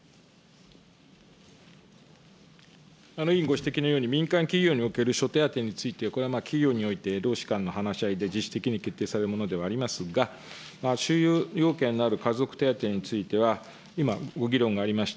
委員ご指摘のように、民間企業における諸手当について、これは企業において労使間の話し合いで自主的に決定されるものではありますが、収入要件のある家族手当については、今ご議論がありました